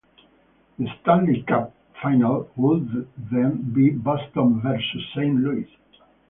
The Stanley Cup final would then be Boston versus Saint Louis.